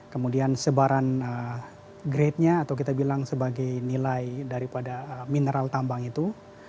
kemudian sebaran gradenya atau kita bilang sebagai nilai dari pada mineral tambang itu